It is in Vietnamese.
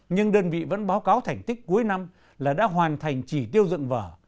nhưng đơn vị vẫn báo cáo thành tích cuối năm là đã hoàn thành chỉ tiêu dựng vở